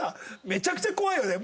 めちゃくちゃ怖いよね。